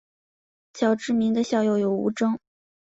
较知名的校友有吴峥。